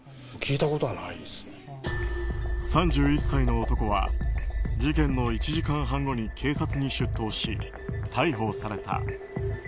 ３１歳の男は事件の１時間半後に警察に出頭し逮捕された。